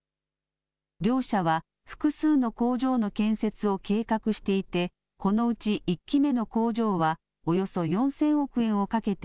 両社は、複数の工場の建設を計画していて、このうち１期目の工場は、およそ４０００億円をかけて、